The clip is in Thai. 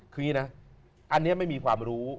คืออย่างนี้นะอันนี้ไม่มีความรู้